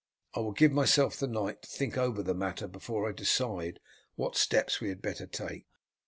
I will give myself the night to think over the matter before I decide what steps we had better take.